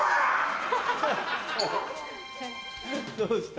どうした？